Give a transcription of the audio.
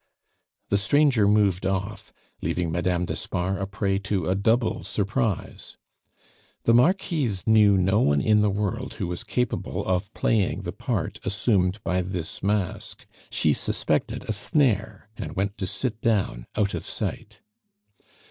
The stranger moved off, leaving Madame d'Espard a prey to a double surprise. The Marquise knew no one in the world who was capable of playing the part assumed by this mask; she suspected a snare, and went to sit down out of sight.